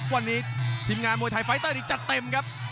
วันนี้ทีมงานมวยไทยไฟเตอร์นี้จัดเต็มครับ